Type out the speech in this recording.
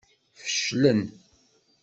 Feclen.